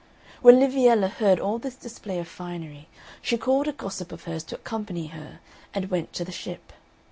When Liviella heard all this display of finery she called a gossip of hers to accompany her, and went to the ship.